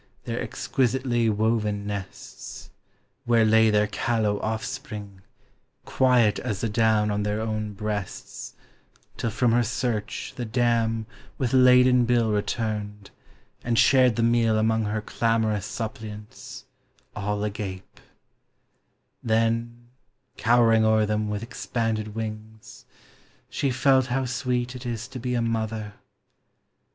289 Their exquisitely woven nests; where lay Their callow offspring, quiet as the down On their own breasts, till from her search the dam With laden bill returned, and shared the meal Among her clamorous suppliants, all agape; Then, cowering o'er them with expanded wings. She felt how sweet it is to be a mother.